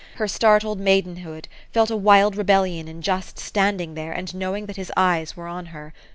Her startled maidenhood felt a wild rebellion in just standing there, and knowing that his eyes were on her.